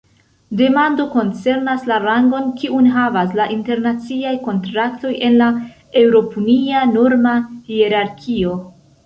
Demando koncernas la rangon, kiun havas la internaciaj kontraktoj en la eŭropunia norma hierarkio.